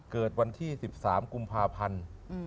เกิดวันที่๑๓กุมภาพันธ์